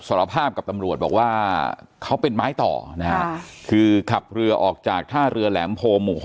สารภาพกับตำรวจบอกว่าเขาเป็นไม้ต่อนะฮะคือขับเรือออกจากท่าเรือแหลมโพหมู่๖